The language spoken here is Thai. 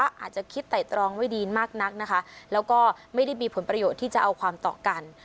อาจจะคิดไต่ตรองไว้ดีมากนักนะคะแล้วก็ไม่ได้มีผลประโยชน์ที่จะเอาความต่อกัน